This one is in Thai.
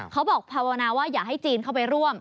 ภาวนาว่าอย่าให้จีนเข้าไปร่วม